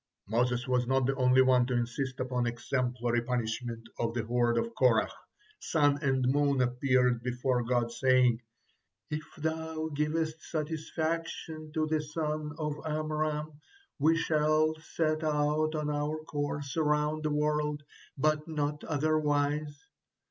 Moses was not the only one to insist upon exemplary punishment of the horde of Korah. Sun and Moon appeared before God, saying: "If Thou givest satisfaction to the son of Amram, we shall set out on our course around the world, but not otherwise."